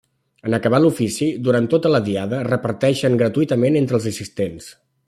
En acabar l’ofici, durant tota la diada, es reparteixen gratuïtament entre els assistents.